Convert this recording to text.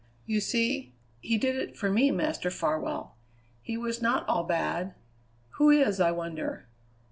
"You see he did it for me, Master Farwell. He was not all bad. Who is, I wonder?